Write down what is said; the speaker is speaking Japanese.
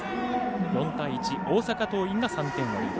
４対１、大阪桐蔭が３点リード。